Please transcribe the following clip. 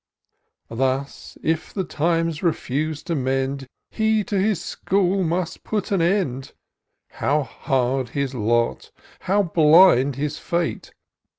Thus, if the times refus'd to mend, He to his school must put an end. How hard his lot ! how blind his fate